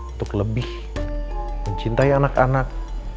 untuk lebih mencintai anak anak